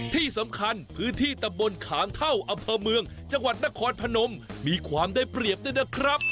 ที่สำคัญพื้นที่ตำบลขามเท่าอำเภอเมืองจังหวัดนครพนมมีความได้เปรียบด้วยนะครับ